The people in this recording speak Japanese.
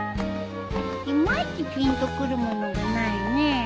いまいちピンとくるものがないね。